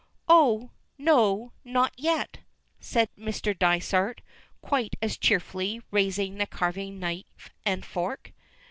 "Oh! no, not yet," says Mr. Dysart, quite as cheerfully, raising the carving knife and fork.